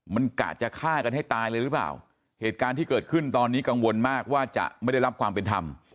มันกะจะฆ่ากันให้ตายเลยหรือเปล่าเหตุการณ์ที่เกิดขึ้นตอนนี้กังวลมากว่าจะไม่ได้รับความเป็นธรรม